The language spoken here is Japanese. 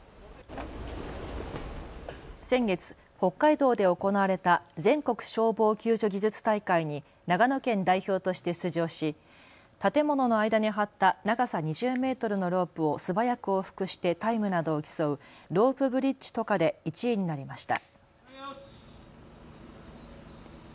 先月、北海道で行われた全国消防救助技術大会に長野県代表として出場し建物の間に張った長さ２０メートルのロープを素早く往復してタイムなどを競うロープブリッジ渡過で１位になりました。